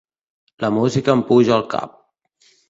La música em puja al cap.